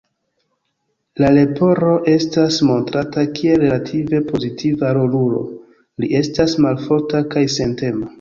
La Leporo estas montrata kiel relative pozitiva rolulo, li estas malforta kaj sentema.